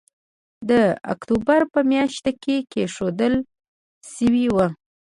د اکتوبر په مياشت کې کېښودل شوی وو